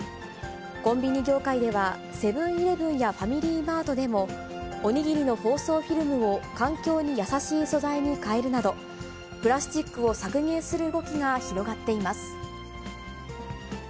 コンビニ業界では、セブンーイレブンやファミリーマートでも、お握りの包装フィルムを環境に優しい素材に変えるなど、プラスチックを削減する動きが広がっています。